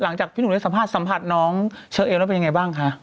พี่หนุ่มได้สัมภาษณสัมผัสน้องเชอเอลแล้วเป็นยังไงบ้างคะ